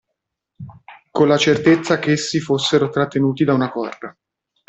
Con la certezza ch'essi fossero trattenuti da una corda!